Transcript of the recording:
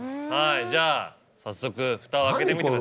じゃあ早速ふたを開けてみて。